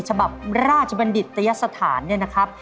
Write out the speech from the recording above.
ฉบับราชบัณฑิตยสถานเนี่ยนะครับ